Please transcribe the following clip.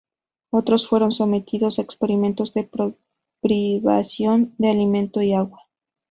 Otros fueron sometidos a experimentos de privación de alimento y agua.